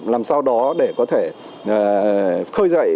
làm sao đó để có thể khơi dậy